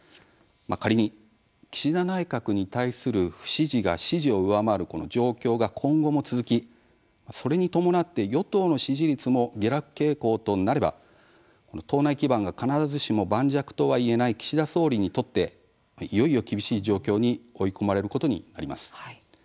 仮に岸田内閣に対する不支持が支持を上回る状況が今後も続きそれに伴って与党の支持率も下落傾向となれば党内基盤が必ずしも盤石とはいえない岸田総理にとっていよいよ厳しい状況に追い込まれることになります。